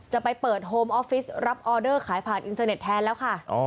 จะไปเปิดโฮมออฟฟิศรับออเดอร์ขายผ่านอินเทอร์เน็ตแทนแล้วค่ะ